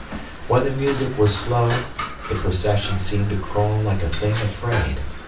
When the music was slow, the procession seemed to crawl like a thing afraid.